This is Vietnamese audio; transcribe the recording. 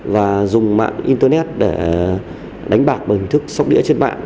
và dùng mạng internet để đánh bạc bằng hình thức sóc đĩa trên mạng